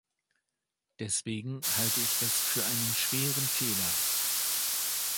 Deswegen halte ich das für einen schweren Fehler.